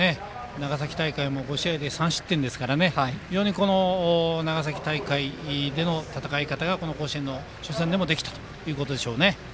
長崎大会も５試合で３失点ですから長崎大会での戦い方が甲子園の初戦でもできたということでしょうね。